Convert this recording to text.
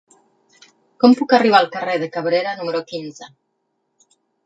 Com puc arribar al carrer de Cabrera número quinze?